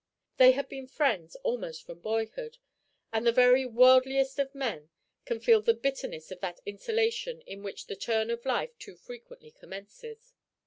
They had been friends almost from boyhood, and the very worldliest of men can feel the bitterness of that isolation in which the "turn of life" too frequently commences.